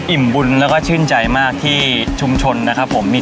อิ่มบุญแล้วก็ชื่นใจมากที่ชุดชนที่มีตลาดแบบนี้